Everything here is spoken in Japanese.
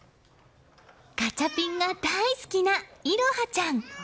ガチャピンが大好きな彩華ちゃん。